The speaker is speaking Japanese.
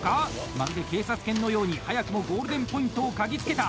まるで警察犬のように早くもゴールデンポイントを嗅ぎつけた！